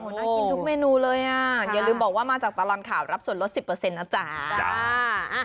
น่ากินทุกเมนูเลยอ่ะอย่าลืมบอกว่ามาจากตลอดข่าวรับส่วนลด๑๐นะจ๊ะ